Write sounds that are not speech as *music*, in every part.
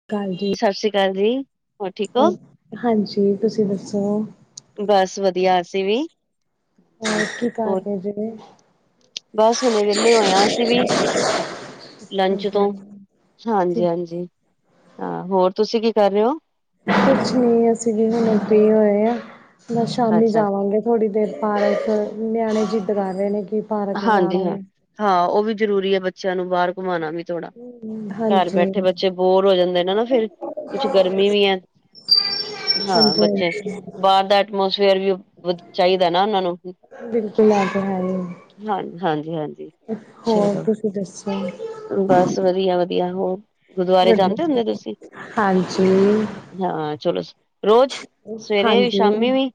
ਸਤਿ ਸ਼੍ਰੀ ਅਕਾਲ ਜੀ। ਸਤਿ ਸ਼੍ਰੀ ਅਕਾਲ ਜੀ। ਹੋਰ ਠੀਕ ਹੋ? ਹਾਂਜੀ ਤੁਸੀਂ ਦੱਸੋ। ਬਸ ਵਧੀਆ ਅਸੀਂ ਵੀ। ਜੀ। ਹੋਰ ਕੀ ਹੋਰ ਕਰਦੇ ਜੇ। ਬਸ ਹੁਣੇ ਵਿਹਲੇ ਹੋਏਆ ਅਸੀਂ ਵੀ ਲੰਚ ਤੋਂ। ਠੀਕ, ਹਾਂਜੀ ਹਾਂਜੀ ਹਾਂ ਹੋਰ ਤੁਸੀਂ ਕੀ ਕਰ ਰਹੇ ਹੋ। ਕੁਛ ਨੀ ਅਸੀਂ ਵੀ ਹੁਣੇ ਫ੍ਰੀ ਹੋਏ ਆਂ ਬਸ ਸ਼ਾਮੀ ਅੱਛਾ ਜਾਵਾਂਗੇ। ਥੋੜ੍ਹੀ ਦੇਰ ਪਾਰਕ ਨਿਆਣੇ ਜਿੱਦ ਕਰ ਰਹੇ ਨੇ ਕਿ। ਪਾਰਕ ਜਾਣਾ ਹਾਂਜੀ ਹਾਂ ਵਾ। ਹਾਂ ਉਹ ਵੀ ਜ਼ਰੂਰੀ ਏ ਬੱਚਿਆਂ ਨੂੰ ਬਾਹਰ ਘੁਮਾਣਾ ਵੀ। ਥੋੜਾ ਘਰ ਹਾਂਜੀ ਬੈਠੇ ਬੱਚੇ ਬੋਰ ਹੋ ਜਾਂਦੇ ਨੇ। ਨਾ ਫੇਰ ਕੁਛ ਗਰਮੀ ਵੀ ਹੈ ਹਾਂ ਹਾਂਜੀ ਬੱਚੇ ਹਾਂਜੀ ਬਾਹਰ ਘੱਟ ਜਾ ਐਟਮੋਸਫੇਅਰ ਵੀ ਚਾਹੀਦੈ ਨਾ ਉਹਨਾਂ ਨੂੰ। ਬਿਲਕੁਲ ਐ ਤੇ ਹੈ ਈ ਏ ਹਾਂ ਹਾਂਜੀ ਹਾਂਜੀ। ਹੋਰ ਚਲੋ ਤੁਸੀਂ ਦੱਸੋ। ਬਸ ਵਧੀਆ ਵਧੀਆ ਹੋਰ ਗੁਰਦੁਆਰੇ ਜਾਂਦੇ ਵਧੀਆ ਹੁੰਦੇ ਤੁਸੀਂ। ਹਾਂਜੀ ਹਾਂ ਚਲੋ। ਰੋਜ਼ ਸਵੇਰੇ ਵੀ ਹਾਂਜੀ ਸ਼ਾਮੀ ਵੀ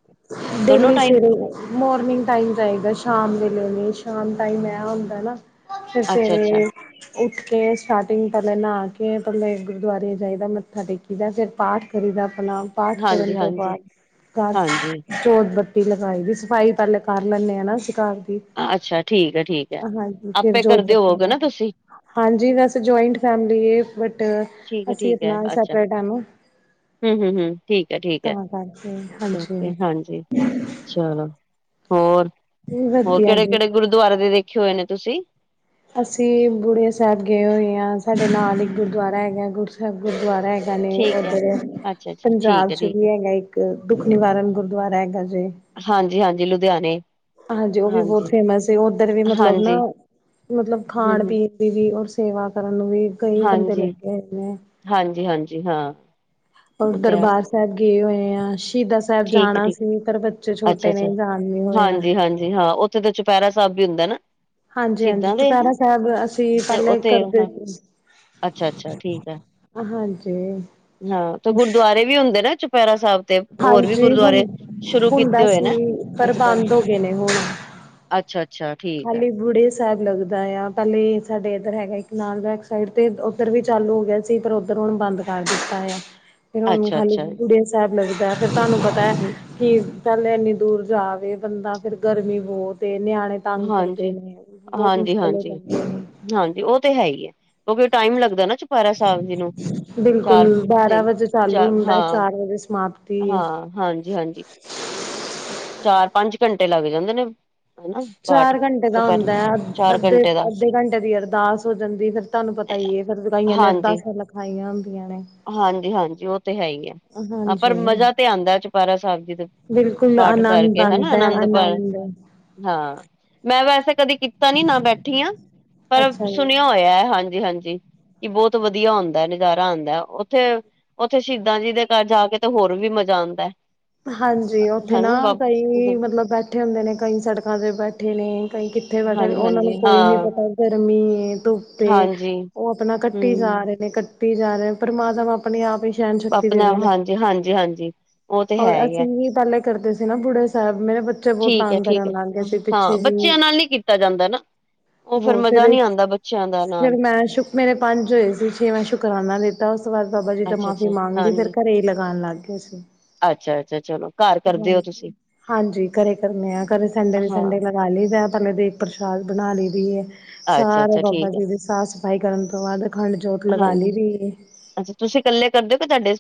ਦੋਨੋ ਦਿੱਲੀ ਸੀ ਟਾਈਮ ਕੋਲ ਮੋਰਨਿੰਗ ਟਾਈਮ ਚਾਹੀਦੈ ਸ਼ਾਮ ਵੇਲੇ ਸ਼ਾਮ ਟਾਈਮ ਐ ਹੁੰਦੈ ਨਾ। ਫਿਰ ਅੱਛਾ ਸਵੇਰੇ ਅੱਛਾ ਵੀ ਉੱਠ ਕੇ ਸਟਾਰਟਿੰਗ ਪਹਿਲੇ ਨਹਾ ਕੇ ਪਹਿਲੇ ਗੁਰਦੁਆਰੇ ਜਾਈਦੈ ਮੱਥਾ ਟੇਕ। ਫਿਰ ਪਾਠ ਕਰੀਦੈ ਆਪਣਾ ਪਾਠ ਹਾਂਜੀ ਕਰਨ ਤੋਂ ਹਾਂਜੀ ਬਾਅਦ। ਹਾਂਜੀ ਜੋਤ ਬੱਤੀ ਲਗਾਈ ਦੀ ਸਫ਼ਾਈ ਪਹਿਲੇ ਕਰ ਲੈਂਨੇ ਹਾਂ ਨਾ ਅਸੀਂ ਘਰ ਦੀ। ਅੱਛਾ ਠੀਕ ਹੈ। ਠੀਕ ਹੈ। ਹਾਂਜੀ ਫਿਰ ਆਪੇ ਜੋਤ ਕਰਦੇ ਬੱਤੀ ਹੋਗੇ ਲਾ ਨਾ ਤੁਸੀਂ। ਹਾਂਜੀ ਵੈਸ ਜੁਆਇੰਟ ਫੈਮਲੀ ਏ ਬਟ ਠੀਕ ਹੈ ਅਸੀਂ ਠੀਕ ਹੈ ਆਪਣਾ ਅੱਛਾ ਸੈਪਰੇਟ ਹ ਨੂੰ। ਹਮ ਹਮ ਹਮ ਠੀਕ ਹੈ। ਠੀਕ ਹੈ। ਕਰਕੇ ਓਕੇ ਹਾਂਜੀ ਓਕੇ ਹਾਂਜੀ। ਚਲੋ ਹੋਰ ਹੋਰ ਵਧੀਆ ਕਿਹੜੇ ਜੀ ਕਿਹੜੇ ਗੁਰਦੁਆਰੇ ਦੇ ਦੇਖੇ ਹੋਏ ਨੇ ਤੁਸੀਂ। ਅਸੀਂ ਬੁੜੀਆਂ ਸਾਹਿਬ ਗਏ ਹੋਏ ਹਾਂ ਸਾਡੇ ਨਾਲ ਇੱਕ ਗੁਰਦੁਆਰਾ ਹੈਗਾ ਗੁਰਸਰ ਗੁਰਦੁਆਰਾ ਹੈਗਾ। ਨੇ ਠੀਕ ਹੈ ਉੱਧਰ ਅੱਛਾ ਅੱਛਾ ਪੰਜਾਬ ਠੀਕ ਹੈ ਚ ਠੀਕ ਹੈ ਵੀ ਹੈਗੇ ਇੱਕ ਦੁੱਖ ਨਿਵਾਰਨ ਗੁਰਦੁਆਰਾ ਹੈਗਾ ਜੇ। ਹਾਂਜੀ ਹਾਂਜੀ ਲੁਧਿਆਣੇ। ਹਾਂਜੀ ਉਹ ਵੀ ਬਹੁਤ ਫੇਮਸ ਏ ਉੱਧਰ ਵੀ ਮਤਲਬ ਨਾ ਹਾਂਜੀ ਮਤਲਬ ਖਾਣ ਹਮ ਹਮ ਪੀਣ। ਵੀ ਔਰ ਸੇਵਾ ਕਰਨ ਨੂੰ ਵੀ ਕਈ ਬੰਦੇ ਹਾਂਜੀ ਲੱਗੇ ਹੋਏ ਨੇ। ਹਾਂਜੀ ਹਾਂਜੀ ਹਾਂ। ਔਰ ਉਹ ਤਾਂ ਦਰਬਾਰ ਸਾਹਿਬ ਗਏ ਹੋਏ ਆ ਸ਼ਹੀਦਾਂ ਸਾਹਿਬ ਠੀਕ ਹੈ ਜਾਣਾ ਠੀਕ ਸੀ ਪਰ ਬੱਚੇ ਛੋਟੇ ਨੇ ਜਾਨ ਨੀ ਹੋਇਆ। ਹਾਂਜੀ ਹਾਂ ਓਥੇ। ਉੱਥੇ ਤੇ ਚੁਪਹਿਰਾ ਸਾਹਿਬ ਵੀ ਹੁੰਦੈ ਨਾ। ਹਾਂਜੀ ਹਾਂਜੀ ਸ਼ਹੀਦਾਂ ਦੇ ਹਨਾ ਚੁਪਹਿਰਾ ਸਾਹਿਬ ਅਸੀਂ ਪਹਿਲੇ ਕਰਦੇ ਸੀ। ਅੱਛਾ ਅੱਛਾ ਠੀਕ ਹੈ। ਹਾਂਜੀ ਹਾਂ ਤੇ ਗੁਰਦੁਆਰੇ ਵੀ ਹੁੰਦੇ ਨਾ। ਪੈਰਾ ਸਾਹਿਬ ਤੇ। ਹੋਰ ਵੀ ਹਾਂਜੀ ਹੁਣ ਗੁਰਦੁਆਰੇ ਸ਼ੁਰੂ ਹੁੰਦਾ ਕੀਤੇ ਹੋਏ ਨੇ ਸੀ ਪਰ ਅੱਜ ਕੱਲ। ਬੰਦ ਹੋ ਗਏ ਨੇ ਹੁਣ ਅੱਛਾ ਅੱਛਾ ਠੀਕ ਹੈ। ਖਾਲੀ ਬੁੜੇ ਸਾਹਿਬ ਲੱਗਦਾ ਏ ਆ ਪਹਿਲੇ ਸਾਡੇ ਇੱਧਰ ਹੈਗਾ ਇੱਕਨਾਲ ਬੈਕ ਸਾਈਡ ਤੇ ਉੱਧਰ ਵੀ ਚਾਲੂ ਹੋ ਗਿਆ। ਸੀ ਫਿਰ ਉੱਧਰ ਹੁਣ ਬੰਦ ਕਰ ਦਿੱਤਾ ਹੈ ਫ਼ੇਰ ਹੁਣ ਖਾਲੀ ਅੱਛਾ-ਅੱਛਾ ਬੁੜੀਆਂ ਸਾਹਿਬ ਲੱਗਦੈ ਫੇਰ ਤੁਹਾਨੂੰ ਪਤੈ। ਜ। *inaudible* ਕੀ ਪਹਿਲੇ ਇੰਨੀ ਦੂਰ ਜਾਵੇ ਬੰਦਾ ਫੇਰ ਗਰਮੀ ਬਹੁਤ ਏ ਨਿਆਣੇ। ਤੰਗ ਕਰਦੇ ਹਾਂਜੀ-ਹਾਂਜੀ, ਨੇ ਬੋਤ ਮੁਸ਼ਕਿਲ ਹੋ ਜਾਂਦੀਆਂ ਨੇ। ਹਾਂਜੀ ਉਹ ਤੇ ਹੈ। ਹੀ ਹੈ। ਕਿਉਂਕਿ ਟਾਈਮ ਲੱਗਦਾ ਨਾ ਚੁਪੈਰਾ ਸਾਹਿਬ ਜੀ ਨੂੰ। ਬਿਲਕੁਲ, ਚਾਰ ਬਾਰਾਂ ਤਿੰਨ ਵਜੇ ਚਾਲੂ ਚਾਰ ਹੁੰਦਾ ਏ, ਹਾਂ, ਚਾਰ ਵਜੇ ਸਮਾਪਤੀ। ਹਾਂ, ਹਾਂਜੀ-ਹਾਂਜੀ। ਚਾਰ ਪੰਜ ਘੰਟੇ ਲੱਗ ਜਾਂਦੇ ਨੇ। ਹਨਾ ਪਾਠ ਚਾਰ ਘੰਟੇ ਦਾ ਚੁਪਹਿਰੇ ਹੁੰਦਾ ਐ, ਅ ਚਾਰ ਘੰਟੇ ਦਾ ਅੱਧੇ‌-ਅੱਧੇ ਘੰਟੇ ਦੀ ਅਰਦਾਸ ਹੋ ਜਾਂਦੀ ਫਿਰ ਤੁਆਨੂੰ ਪਤਾ ਈ ਐ ਫਿਰ ਗੁਰਾਈਆਂ ਨੇ ਹਾਂਜੀ ਅਰਦਾਸਾਂ ਲਿਖਾਈਆਂ ਹੁੰਦੀਆਂ ਨੇ। ਹਾਂਜੀ-ਹਾਂਜੀ, ਉਹ ਤੇ ਹੈ ਈ ਐ, ਹਾਂ ਪਰ ਹਾਂਜੀ ਮਜ਼ਾ ਤੇ ਆਦਾਂ ਚਪੈਰਾ ਸਾਹਿਬ ਜੀ ਦੇ ਬਿਲਕੁਲ, ਪਾਠ ਆਨੰਦ ਕਰਕੇ ਹਨਾ ਆਦਾਂ ਐ, ਪਰ ਆਨੰਦ। ਹਾਂ, ਮੈਂ ਵੈਸੇ ਕਦੀ ਕੀ ਤਾਂ ਨੀ ਨਾ ਬੈਠੀ ਆਂ ਪਰ ਅੱਛਾ ਜੀ ਸੁਣਿਆ ਹੋਇਆ ਐ, ਹਾਂਜੀ- ਹਾਂਜੀ। ਕਿ ਬੋਤ ਵਦੀਆ ਹੁੰਦਾ ਐ ਨਜ਼ਾਰਾ ਆਦਾਂ ਐ, ਉੱਥੇ ਉੱਥੇ ਸ਼ਹੀਦਾਂ ਜੀ ਦੇ ਘਰ ਜਾ ਕੇ ਤੇ ਹੋਰ ਵੀ ਮਜ਼ਾ ਆਦਾਂ ਐ। ਹਾਂਜੀ, ਉੱਥੇ ਨਾ ਕਈ ਮਤਲਬ ਬੈਠੇ ਹੁੰਦੇ ਨੇ ਕਈ ਸੜਕਾਂ ਤੇ ਬੈਠੇ ਨੇ ਕਈ ਉੱਥੇ ਬੈਠੇ ਨੇ, ਉਨਾਂ ਨੂੰ ਹਾਂਜੀ-ਹਾਂਜੀ ਕੋਈ ਨੀ ਹਾਂ ਪਤਾ ਗਰਮੀ ਏ ਧੁੱਪ ਐ। ਹਾਂਜੀ ਓ ਆਪਣਾ ਕੱਟੀ ਜਾ ਹਮ ਰਹੇ ਨੇ, ਕੱਟੀ ਜਾ ਰਹੇ ਨੇ, ਪਰਮਾਤਮਾ ਆਪਣੇ ਆਪ ਈ ਆਪਨੇ ਆਪ, ਹਾਂਜੀ ਹਾਂਜੀ ਹਾਂਜੀ ਔਰ ਅਸੀਂ ਵੀ ਪੈਲੇ ਕਰਦੇ ਸੀ, ਨਾ ਬੁੜੀਆ ਸਾਹਿਬ ਮੇਰੇ ਬੱਚੇ ਬੋਤ ਠੀਕ ਤੰਗ ਹੈ-ਠੀਕ ਕਰਨ ਹੈ। ਲਾਗ ਗਏ ਸੀ ਹਾਂ ਪਿੱਛੇ ਜੇਈ। ਬੱਚਿਆਂ ਨਾਲ ਨੀ ਕੀਤਾ ਜਾਂਦਾ ਨਾ ਉਹ ਫੇਰ ਮਜ਼ਾ ਫਿਰ ਨਹੀਂ ਆਉਂਦਾ ਬੱਚਿਆਂ ਦਾ ਨਾਲ ਫਿਰ ਮੈਂ ਸ਼ੁਕ, ਮੇਰੇ ਪੰਜ ਹੋਏ ਸੀ, ਛੇ ਮੈਂ ਸ਼ੁਕਰਾਨਾ ਦਿੱਤਾ। ਤਾਂ ਉਸ ਤੋਂ ਬਾਦ ਬਾਬਾ ਜੀ ਤੋਂ ਮਾਫ਼ੀ ਅੱਛਾ-ਅੱਛਾ, ਮੰਗਲੀ, ਫਿਰ ਹਾਂਜੀ, ਘਰੇ ਈ ਲਗਾਣ ਲਾਗੇ ਅਸੀਂ। ਅੱਛਾ-ਅੱਛਾ, ਚਲੋ। ਘਰ ਹਾਂ ਕਰਦੇ ਹੋ ਤੁਸੀਂ? ਹਾਂਜੀ, ਘਰੇ ਕਰਨੇ ਆ, ਘਰੇ ਸੰਡੇ ਦੀ ਹਾਂ, ਸੰਡੇ ਲਾ ਲਈਦਾ ਪੈਲੇ ਦੇਗ ਪ੍ਰਸ਼ਾਦ ਬਣਾ ਲਈ ਦੀ ਐ ਸਾਰੇ ਅੱਛਾ-ਅੱਛਾ ਬਾਬਾ ਠੀਕ ਹੈ, ਜੀ ਦੇ ਸਾਫ਼-ਸਫ਼ਾਈ ਕਰਨ ਤੋਂ ਬਾਦ, ਅਖੰਡ ਜੋਤ ਲਗਾ ਹਾਂਜੀ। ਲਈ ਦੀ ਐ। ਅੱਛਾ, ਤੁਸੀਂ ਕੱਲੇ ਕਰਦੇ ਓ ਕਿ ਤੁਆਡੇ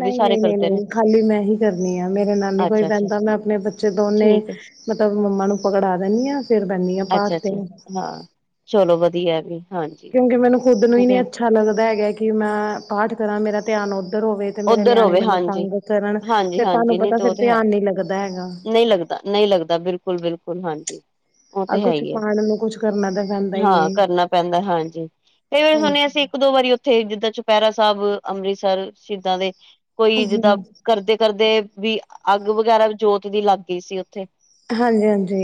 ਨਈ ਨਈ ਨਈ ਨਈ, ਖਾਲੀ ਮੈਂ ਹੀ ਕਰਨੀ ਆ ਮੇਰੇ ਨਾ ਨੀ ਕੋਈ ਅੱਛਾ-ਅੱਛਾ ਬੈਂਦਾ, ਮੈਂ ਆਪਣੇ ਬੱਚੇ ਦੋਨੇ ਠੀਕ ਹੈ, ਮਤਲਬ ਮੰਮਾ ਨੂੰ ਪਕੜਾ ਦੇਨੀ ਆ, ਫਿਰ ਬੈਂਨੀ ਹਾਂ ਪਾਠ ਤੇ। ਅੱਛਾ-ਅੱਛਾ ਹਾਂ। ਚਲੋ, ਵਦੀਐ। ਕਿਉਂਕਿ ਮੈਨੂੰ ਖੁੱਦ ਨੂੰ ਈ ਨੀ ਅੱਛਾ ਲੱਗਦਾ ਹੈਗਾ ਕਿ ਮੈਂ, ਪਾਠ ਕਰਾਂ ਮੇਰਾ ਧਿਆਨ ਉੱਧਰ ਹੋਵੇ। ਤੇ ਮੇਰੇ ਉੱਧਰ ਨਿਆਣੇ ਹੋਵੇ ਮੈਨੂੰ ਹਾਂਜੀ, ਤੰਗ ਕਰਨ, ਫਿਰ ਹਾਂਜੀ-ਹਾਂਜੀ ਤੁਆਨੂੰ ਨਹੀਂ ਪਤਾ ਫਿਰ ਧਿਆਨ ਨੀ ਲੱਗਦਾ ਹੈਗਾ। ਨਈਂ ਲੱਗਦਾ, ਬਿਲਕੁਲ-ਬਿਲਕੁਲ, ਹਾਂਜੀ। ਉਹ ਆਹ ਤੇ ਹੈ ਕੁਛ ਈ ਐ, ਪਾਉਣ ਨੂੰ ਕੁਛ ਕਰਨਾ ਤਾਂ ਪੈਂਦਾ ਹੀ ਏ। ਹਾਂ ਕਰਨਾ ਪੈਂਦਾ ਹਾਂਜੀ, ਕਈ ਵਾਰੀ ਹੁਣੇ ਅਸੀਂ ਇੱਕ ਦੋ ਵਾਰੀ ਉੱਥੇ, ਜਿੱਦਾਂ ਚੁਪੈਰਾ ਸਾਹਿਬ, ਅੰਮ੍ਰਿਤਸਰ ਸ਼ਹੀਦਾਂ ਦੇ। ਕੋਈ, ਜਿੱਦਾਂ ਹਾਂਜੀ ਕਰਦੇ ਕਰਦੇ ਵੀ ਅੱਗ ਵਗੈਰਾ ਜੋਤ ਦੀ ਲੱਗ ਗਈ ਸੀ ਉੱਥੇ। ਹਾਂਜੀ-ਹਾਂਜੀ,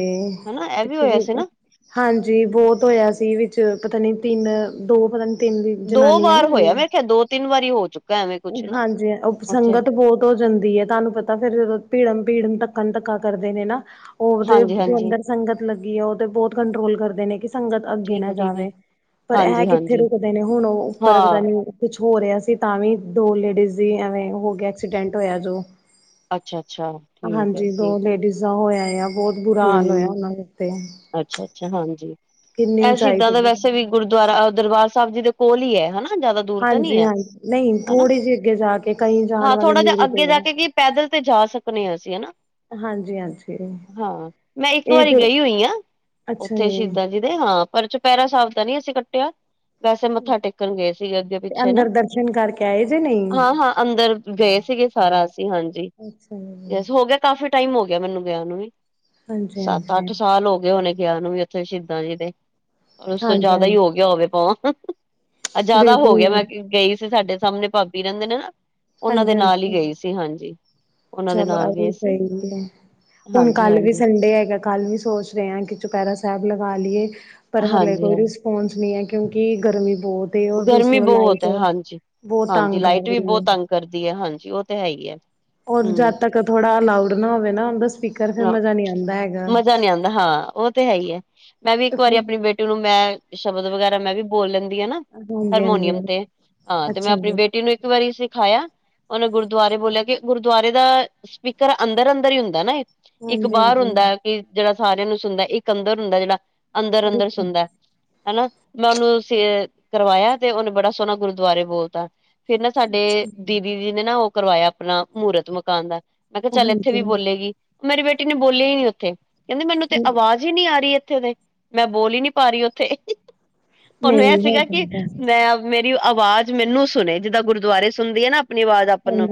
ਹਨਾ ਇਹ ਪਿੱਛੇ ਹੋਇਆ ਵੀ ਸੀ ਨਾ ਹਾਂਜੀ, ਬੋਤ ਹੋਇਆ ਸੀ ਵਿੱਚ ਪਤਾ ਨੀ ਤਿੰਨ ਦੋ ਪਤਾ ਨੀ ਤਿੰਨ ਦੋ ਜਨਾਨੀਆਂ ਵਾਰ ਨੇ ਹੋਇਆ, ਮੈਂ ਕਿਹਾ ਦੋ ਤਿੰਨ ਵਾਰੀ ਹੋ ਚੁੱਕ ਹਾਂਜੀ, ਓਪ ਸੰੰਗਤ ਬੋਤ ਹੋ ਜਾਂਦੀ ਐ, ਤੁਆਨੂੰ ਪਤਾ ਫੇਰ ਭੀੜਮ-ਭੀੜਮ, ਧੱਕਣ-ਧੱਕਾ ਕਰਦੇ ਨੇ ਨਾ ਉਹਦੇ ਹਾਂਜੀ ਜੋ ਹਾਂਜੀ ਅੰਦਰ ਸੰਗਤ ਲੱਗੀ ਐ, ਓਹ ਤੇ ਬਹੁਤ ਕੰਟਰੋਲ ਕਰਦੇ ਨੇ ਕਿ ਸੰਗਤ ਅੱਗੇ ਠੀਕ ਨਾ ਹੈ ਠੀਕ ਹੈ ਜਾਵੇ, ਪਰ ਐਂ ਹਾਂਜੀ ਕਿੱਥੇ ਹਾਂਜੀ ਰੁਕਦੇ ਨੇ ਹੁਣ ਉਹ ਹਾਂ ਉੱਪਰ ਪਤਾ ਨੀ ਕੁਛ ਹੋ ਰਿਹਾ ਸੀ, ਤਾਂ ਵੀ ਦੋ ਲੇਡੀਜ਼ ਦੀ ਐਵੇਂ ਹੋ ਗਿਆ, ਐਕਸੀਡੈਂਟ ਹੋਇਆ ਜੋ। ਅੱਛਾ-ਅੱਛਾ, ਠੀਕ ਐ ਹਾਂਜੀ ਦੋ ਠੀਕ ਐ। ਲੇਡੀਜ਼ ਹੋਇਆ ਆ, ਬੋਤ ਬੁਰਾ ਹਾਲ ਹੋਇਆ, ਉਹਨਾਂ ਦੇ ਉੱਤੇ। ਅੱਛਾ-ਅੱਛਾ, ਹਾਂਜੀ, ਕਿੰਨੀ ਏਹ ਉਚਾਈ ਸ਼ਹੀਦਾਂ ਤੇ ਦਾ ਗਿਰੇ। ਵੈਸੇ ਵੀ ਗੁਰਦੁਆਰਾ ਅ ਦਰਬਾਰ ਸਾਹਿਬ ਜੀ ਦੇ ਕੋਲ ਈ ਐ ਹਨਾ। ਨਹੀ ਜ਼ਿਆਦਾ ਦੂਰ ਤਾਂ ਨੀ ਹਾਂਜੀ ਐ ਹਾਂਜੀ ਨਹੀਂ ਹਨਾ, ਥੋੜ੍ਹੀ ਜਿਹੀ ਅੱਗੇ ਜਾ ਕੇ ਕਈ ਜਾਣ ਹਾਂ ਵਾਲੇ ਥੋੜਾ ਜਿਹਾ ਮਿਊਰੀ ਅੱਗੇ ਤੇ ਜਾ ਆ ਕੇ ਕੀ ਪੈਦਲ ਤੇ ਜਾ ਸਕਨੇ ਆਂ ਅਸੀਂ ਹਨਾ। ਹਾਂਜੀ-ਹਾਂਜੀ। ਹਾਂ, ਮੈਂ ਇੱਕ ਵਾਰੀ ਗਈ ਓਈ ਆਂ, ਉੱਥੇ ਸ਼ਹੀਦਾਂ ਜੀ ਦੇ ਤੇ ਹਾਂ, ਪਰ ਚੁਪੈਰਾ ਸਾਬ ਤਾਂ ਨੀ ਅਸੀਂ ਕੱਟਿਆ। ਵੈਸੇ ਮੱਥਾ ਟੇਕਣ ਗਏ ਸੀ ਅੱਗੇ-ਪਿੱਛੇ ਨਾ। ਕੈਜੇ ਨਹੀਂ ਹਾਂ, ਹਾਂ, ਅੰਦਰ ਗਏ ਸੀਗੇ ਸਾਰਾ, ਅਸੀਂ ਹਾਂਜੀ ਅੱਛਾ ਜੀ। ਜੈਸ ਹੋ ਗਿਆ। ਕਾਫੀ ਟਾਈਮ ਹੋ ਗਿਆ। ਮੈਨੂੰ ਗਿਆ ਨੂੰ ਵੀ ਸੱਤ ਹਾਂਜੀ-ਹਾਂਜੀ, ਅੱਠ ਸਾਲ ਹੋ ਗਏ ਹੋਣੇੇ ਗਿਆ ਨੂੰ ਉੱਥੇ ਸ਼ਹੀਦਾਂ ਜੀ ਦੇ ਉਸ ਤੋਂ ਜ਼ਿਆਦਾ ਹੀ ਹਾਂਜੀ-ਹਾਂਜੀ ਹੋ ਗਿਆ ਹੋਵੇ ਭਵਾਂ, ਜ਼ਿਆਦਾ ਹੋ ਗਿਆ, ਬਿਲਕੁਲ, ਮੈਂ ਗਈ ਸੀ ਸਾਡੇ ਸਾਹਮਣੇ ਭਾਬੀ ਰਹਿੰਦੇ ਨੇ ਨਾ ਉਹਨਾਂ ਦੇ ਨਾਲ ਹੀ ਹਾਂਜੀ-ਹਾਂਜੀ। ਗਈ ਸੀ। ਹਾਂਜੀ, ਉਹਨਾਂ ਦੇ ਚਲੋ ਆ ਨਾਲ ਵੀ ਗਏ ਸੀ ਸਹੀ ਹੈ, ਹੁਣ ਹਾਂਜੀ ਹਾਂਜੀ ਕੱਲ ਵੀ ਸੰਡੇ ਹੈਗਾ। ਕੱਲ ਵੀ ਸੋਚ ਰਹੇ ਆਂ। ਕਿ ਚੁਪਹਿਰਾ ਸਾਹਿਬ ਲਗਾ ਲਈਏ, ਪਰ ਹਲੇੇ ਹਾਂਜੀ ਕੋਈ ਹਾਂਜੀ ਰਿਸੁ ਪਹੁੰਚਣੀ ਹੈ, ਕਿਉਂਕਿ ਗਰਮੀ ਬਹੁਤ ਏ ਔਰ ਗਰਮੀ ਦੂਸਰਾ ਬਹੁਤ ਲਾਈਟ ਹੈ, ਹਾਂਜੀ, ਬਹੁਤ ਹਾਂਜੀ, ਤੰਗ ਕਰ ਲਾਈਟ ਵੀ ਰਹੀ ਬਹੁਤ ਏ। ਤੰਗ ਕਰਦੀ ਹੈ। ਹਾਂਜੀ ਉਹ ਤਾਂ ਹੈ ਹੀ ਏ। ਔਰ ਜਦ ਤੱਕ ਥੋੜਾ ਅਲਾਊਡ ਨਾ ਹੋਵੇ ਨਾ ਉਹਦੇ 'ਚ ਪੀ ਨਾ ਮਜ਼ਾ ਨਹੀਂ ਆਉਂਦਾ ਹਾਂ, ਉਹ ਤੇ ਹੈ ਹੀ ਹੈ ਮੈਂ ਵੀ ਇੱਕ ਵਾਰੀ ਆਪਣੀ ਬੇਟੀ। ਉਹਨੂੰ ਮੈਂ ਸ਼ਬਦ ਵਗੈਰਾ, ਮੈਂ ਵੀ ਬੋਲ ਲੈਂਦੀ ਹਾਂ ਨਾ। ਹਰਮੋਨੀਅਮ ਹਾਂਜੀ-ਹਾਂਜੀ, ਤੇ, ਹਾਂ ਤੇ ਮੈਂ ਅੱਛਾ ਆਪਣੀ ਜੀ। ਬੇਟੀ ਨੂੰ ਇੱਕ ਵਾਰੀ ਸਿਖਾਇਆ। ਉਹਨੇ ਗੁਰਦੁਆਰੇ ਬੋਲਿਆ ਕੇ ਗੁਰਦੁਆਰੇ ਦਾ ਸਪੀਕਰ ਅੰਦਰ ਅੰਦਰ ਹੀ ਹੁੰਦਾ ਨਾ ਏ। ਇੱਕ ਹਾਂਜੀ ਬਾਹਰ ਹਾਂਜੀ ਹੁੰਦਾ। ਕਿ ਜਿਹੜਾ ਸਾਰਿਆਂ ਨੂੰ ਸੁਣਦਾ, ਇੱਕ ਅੰਦਰ ਹੁੰਦਾ ਜਿਹੜਾ ਅੰਦਰ ਅੰਦਰ ਬਿਲਕੁਲ। ਸੁਣਦਾ। ਹਨਾ ਮੈਂ ਉਹਨੂੰ ਸੇ ਕਰਵਾਇਆ, ਤੇ ਉਹਨੇ ਬੜਾ ਸੋਹਣਾ ਗੁਰਦੁਆਰੇ ਬੋਲਤਾ ਫਿਰ ਨਾ ਸਾਡੇ ਦੀਦੀ ਜੀ ਨੇ ਨਾ, ਉਹ ਕਰਵਾਇਆ ਆਪਣਾ ਮੂਹਰਤ ਮਕਾਨ ਦਾ ਮੈਂ ਕਿਹਾ ਚੱਲ ਇੱਥੇ ਹਾਂਜੀ ਵੀ ਬੋਲੇਗੀ। ਮੇਰੀ ਬੇਟੀ ਨੇ ਬੋਲਿਆ ਹੀ ਨੀ, ਉੱਥੇ ਕਹਿੰਦੀ ਮੈਨੂੰ ਤਾਂ ਆਵਾਜ਼ ਆਵਾਜ਼ ਨੀ ਆ ਰਹੀ ਇੱਥੇ ਉਹਦੇ ਮੈਂ ਬੋਲ ਹੀ ਨਹੀਂ ਪਾ ਰਹੀ, ਉੱਥੇ ਉਹਨੂੰ ਇਹ ਨਹੀਂ ਹੋ ਸੀਗਾ ਕਿ ਜਾਂਦਾ ਹਾਂਜੀ ਮੈਂ। ਮੇਰੀ ਆਵਾਜ਼ ਮੈਨੂੰ ਸੁਣੇ ਜਿੱਦਾਂ ਗੁਰਦੁਆਰੇ ਸੁਣਦੀ ਹੈ, ਆਪਣੀ ਆਵਾਜ਼ ਆਪਾਂ ਨੂੰ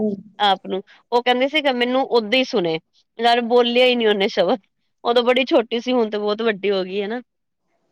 ਆਪ ਨੂੰ ਉਹ ਕਹਿੰਦੀ ਸੀ ਮੈਨੂੰ ਉਦਾਂ ਹੀ ਸੁਣੇ ਯਾਰ ਬੋਲਿਆ ਹੀ ਨੀ ਉਹਨੇ ਸ਼ਬਦ ਉਦੋਂ ਬੜੀ ਛੋਟੀ ਸੀ, ਹੁਣ ਤੇ ਬਹੁਤ ਵੱਡੀ ਹੋ ਗਈ ਹੈਨਾ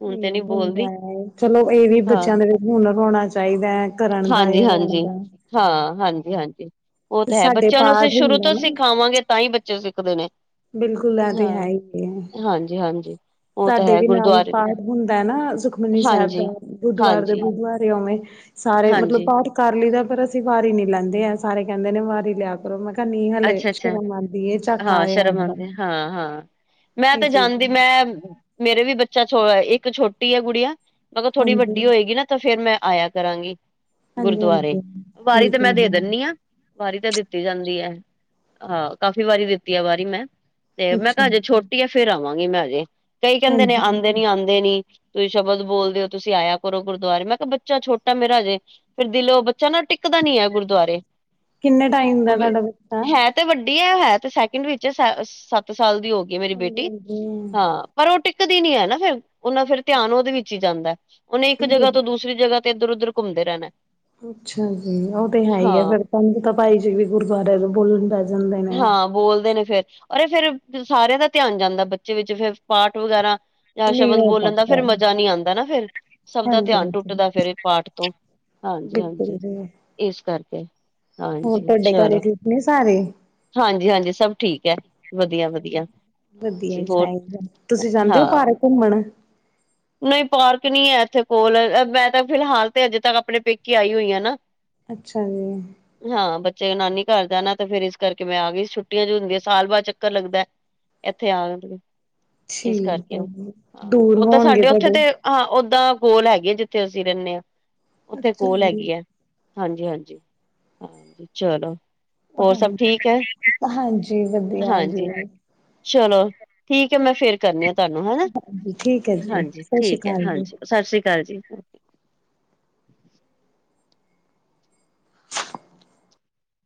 ਇਹ ਹੁੰਦਾ ਹੈ, ਚਲੋ ਇਹ ਵੀ ਹਾਂ ਬੱਚਿਆਂ ਦੇ ਵਿੱਚ ਹੁਨਰ ਹੋਣਾ ਚਾਹੀਦਾ ਹੈ। ਕਰਨ ਦਾ ਹਾਂਜੀ ਜਾਂ ਹੋਣ ਹਾਂਜੀ ਦਾ, ਹਾਂ, ਹਾਂਜੀ, ਹਾਂਜੀ ਉਹ ਤੇ ਤਾਂ ਹੈ, ਸਾਡੇ ਬੱਚਿਆਂ ਨੂੰ ਅਸੀਂ ਪਾਠ ਸ਼ੁਰੂ ਹੁੰਦਾ ਤੋਂ ਨਾ ਸਿਖਾਵਾਂਗੇ। ਤਾਂਹੀ, ਬੱਚੇ ਸਿੱਖਦੇ ਨੇ ਬਿਲਕੁਲ, ਐ ਤੇ ਹੈ ਹਾਂ ਹੀ ਏ ਹਾਂਜੀ ਹਾਂਜੀ ਉਹ ਤਾਂ ਸਾਡੇ ਹੈ ਵੀ ਨਾਲ ਗੁਰਦੁਆਰੇ ਵੀ ਪਾਠ ਹੁੰਦਾ ਨਾ, ਸੁਖਮਨੀ ਸਾਹਿਬ ਦਾ ਹਾਂਜੀ ਬੁੱਧਵਾਰ ਦੇ ਹਾਂਜੀ ਬੁੱਧਵਾਰ ਉਵੇਂ ਸਾਰੇ ਮਤਲਬ ਹਾਂਜੀ, ਪਾਠ ਕਰ ਲਈਦਾ, ਪਰ ਅਸੀਂ ਵਾਰੀ ਨੀ ਲੈਂਦੇ ਆ, ਸਾਰੇ ਕਹਿੰਦੇ ਨੇ ਵਾਰੀ ਲਿਆ ਮੈਂ ਕਿਹਾ ਨੀ ਹਲੇ ਸ਼ਰਮ ਆਂਦੀ ਇਹ ਚਾਕਾ ਏ। ਆਉਂਦਾ ਹਾਂਜੀ ਹਾਂ, ਹਾਂ, ਮੈਂ ਇਹ ਤੇ ਜਾਂਦੀ ਚੀਜ਼ ਮੈਂ ਮੇਰੇ ਵੀ ਬੱਚਾ ਛੋ ਇੱਕ ਛੋਟੀ ਆ ਗੁੜੀਆ ਮਗਰ ਥੋੜੀ ਹਾਂਜੀ, ਵੱਡੀ ਹੋਏਗੀ ਨਾ। ਤਾਂ ਫੇਰ ਮੈਂ ਆਇਆ ਕਰਾਂਗੀ। ਗੁਰਦੁਆਰੇ ਹਾਂਜੀ-ਹਾਂਜੀ, ਵਾਰੀ ਤੇ ਮੈਂ ਬਿਲਕੁਲ ਦੇ ਜੀ, ਦਿੰਦੀ ਆਂ। ਵਾਰੀ ਤਾਂ ਦਿੱਤੀ ਜਾਂਦੀ ਐ। ਹਾਂ ਕਾਫ਼ੀ ਵਾਰੀ ਦਿੱਤੀ ਆ ਵਾਰੀ, ਮੈਂ ਤੇ ਮੈਂ ਅੱਛਾ ਕਿਹਾ ਹਜੇ ਛੋਟੀ ਆ ਫੇਰ ਆਵਾਂਗੀ ਮੈਂ ਹਜੇ। ਕਈ ਕਹਿੰਦੇ ਨੇ ਹਾਂਜੀ, ਆਂਦੇ ਨੀ ਆਂਦੇ ਨੀ ਤੁਸੀਂ ਸ਼ਬਦ ਬੋਲਦੇ ਹੋ ਤੁਸੀਂ ਆਇਆ ਕਰੋ, ਗੁਰਦੁਆਰੇ ਮੈਂ ਕਿਹਾ, ਬੱਚਾ ਛੋਟਾ ਮੇਰਾ ਹਜੇ ਫਿਰ ਦਿਲੋਂ ਬੱਚਾ ਨਾ ਟਿੱਕਦਾ ਨੀ ਐ ਗੁਰਦੁਆਰੇ ਕਿੰਨੇ ਟਾਈਮ ਦਾ ਤੁਹਾਡਾ ਬ ਹੈ ਤੇ ਵੱਡੀ ਹੈ ਹੈ ਤੇ ਸੈਕਿੰਡ ਵਿੱਚ ਸੱਤ ਸਾਲ ਦੀ ਹੋ ਗਈ। ਕਿ ਮੇਰੀ ਬੇਟੀ ਹਾਂਜੀ-ਹਾਂਜੀ, ਹਾਂ ਪਰ ਉਹ ਟਿਕਦੀ ਨੀ ਹੈ ਨਾ, ਫਿਰ ਉਹਨਾ ਫਿਰ ਧਿਆਨ ਉਹਦੇ ਵਿੱਚ ਹੀ ਜਾਂਦਾ। ਉਹਨੇ ਇੱਕ ਜਗ੍ਹਾ ਤੋਂ ਦੂਸਰੀ ਜਗ੍ਹਾ, ਤੇ ਇੱਧਰ ਉੱਧਰ ਘੁੰਮਦੇ ਰਹਿਣਾ। ਅੱਛਾ ਜੀ ਉਹ ਤੇ ਹੈ ਹੀ ਆ, ਹਾਂ ਫੇਰ ਹੁਣ ਤਾਂ ਭਾਈ ਜੀ ਵੀ ਗੁਰਦੁਆਰੇ ਬੋਲਣ ਦਾ ਹਾਂ ਬੋਲਦੇ ਨੇ ਫੇਰ ਅਰੇ, ਫਿਰ ਸਾਰਿਆਂ ਦਾ ਧਿਆਨ ਜਾਂਦਾ ਬੱਚੇ ਵਿੱਚ, ਫਿਰ ਪਾਠ ਵਗੈਰਾ ਜਾਂ ਨਹੀਂ ਸ਼ਬਦ ਹੋ ਬੋਲਣ ਦਾ, ਪਾਂਦਾ, ਫਿਰ ਮਜ਼ਾ ਨਹੀਂ ਆਉਂਦਾ ਨਾ, ਫਿਰ ਸਭ ਦਾ ਧਿਆਨ ਹਾਂਜੀ-ਹਾਂਜੀ, ਟੁੱਟਦਾ ਫਿਰ ਪਾਠ ਤੋਂ ਹਾਂਜੀ ਬਿਲਕੁਲ ਹਾਂਜੀ ਜੀ, ਇਸ ਕਰਕੇ ਹੋਰ ਹਾਂਜੀ ਤੁਹਾਡੇ ਘਰੇ ਚਲੋ ਠੀਕ ਨੇ ਸਾਰੇ ਹਾਂਜੀ, ਹਾਂਜੀ, ਸਭ ਠੀਕ ਹੈ। ਵਧੀਆ, ਵਧੀਆ ਵਧੀਆ ਹਾਂਜੀ ਈ ਹੋਰ ਚਾਹੀਦਾ ਤੁਸੀਂ ਜਾਂਦੇ ਹੋ ਹਾਂ ਪਾਰਕ ਘੁੰਮਣ ਨਹੀਂ ਪਾਰਕ ਨਹੀਂ ਹੈ ਇੱਥੇ ਕੋਲ ਮੈਂ ਤਾਂ ਫਿਲਹਾਲ ਤੇ ਅਜੇ ਤੱਕ ਆਪਣੇ ਪੇਕੇ ਆਈ ਹੋਈ ਹਾਂ ਨਾ ਅੱਛਾ ਜੀ ਹਾਂ ਬੱਚੇ ਨਾਨੀ ਘਰ ਜਾਨਾ ਤੇ ਫੇਰ ਇਸ ਕਰਕੇ ਮੈਂ ਆ ਗਈ ਛੁੱਟੀਆਂ ਜੋ ਹੁੰਦੀਆਂ ਸਾਲ ਬਾਅਦ ਚੱਕਰ ਲੱਗਦਾ ਇੱਥੇ ਆ ਜ ਠੀਕ ਹੈ ਜੀ ਦੂਰ ਓਦਾਂ ਬੋਤ ਸਾਡੇ ਉੱਥੇ ਤੇ ਹਾਂ ਓਦਾਂ ਕੋਲ ਹੈਗੀ ਹੈ ਜਿੱਥੇ ਅਸੀਂ ਰਹਿੰਦੇ ਹਾਂ ਉੱਥੇ ਅੱਛਾ ਕੋਲ ਜੀ। ਹੈਗੀ ਹੈ ਹਾਂਜੀ ਹਾਂਜੀ ਹਾਂਜੀ ਚਲੋ ਹਾਂ ਹਾਂਜੀ ਹੋਰ ਸਭ ਠੀਕ ਹ ਏ ਹਾਂਜੀ ਵਧੀਆ ਜੀ ਹਾਂਜੀ ਚਲੋ ਠੀਕ ਹੈ ਮੈਂ ਫੇਰ ਕਰਨੀ ਆ ਤੁਹਾਨੂੰ ਹਨਾ ਹਾਂਜੀ ਠੀਕ ਹੈ ਜੀ, ਹਾਂਜੀ ਸਤਿ ਸ਼੍ਰੀ ਠੀਕ ਹੈ ਅਕਾਲ ਜੀ। ਹਾਂਜੀ ਸਤਿ ਸ੍ਰੀ ਅਕਾਲ ਜੀ